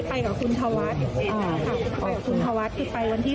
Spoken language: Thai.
ไปกับคุณสาววัดคือไปวันที่๑๒